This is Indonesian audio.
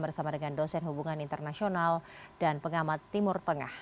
bersama dengan dosen hubungan internasional dan pengamat timur tengah